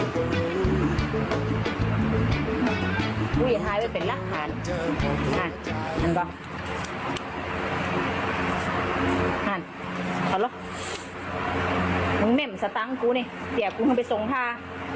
ห่านเอาละมึงไม่มีสตั้งกูนี่เดี๋ยวกูเข้าไปส่งผ้า